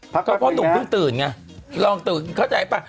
เพราะพ่อหนุ่มเพิ่งตื่นไงลองตื่นเข้าใจป่ะ